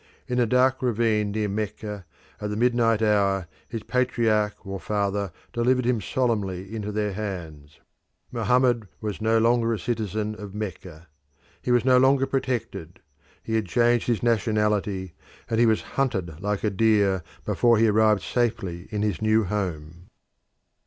In a dark ravine near Mecca, at the midnight hour, his patriarch or father delivered him solemnly into their hands. Mohammed was now no longer a citizen of Mecca; he was no longer "protected"; he had changed his nationality, and he was hunted like a deer before he arrived safely in his new home.